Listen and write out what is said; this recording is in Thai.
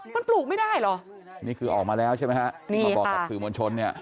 มันปลูกไม่ได้เหรอนี่คือออกมาแล้วใช่ไหมฮะนี่มาบอกกับสื่อมวลชนเนี่ย